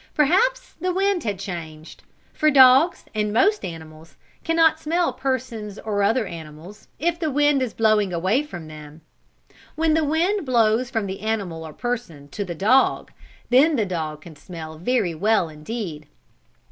Perhaps the wind had changed, for dogs, and most animals, can not smell persons, or other animals, if the wind is blowing away from them. When the wind blows from the animal or person to the dog, then the dog can smell very well indeed.